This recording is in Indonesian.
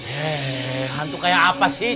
eh hantu kayak apa sih